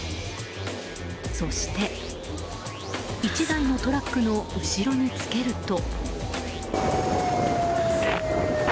そして、１台のトラックの後ろにつけると。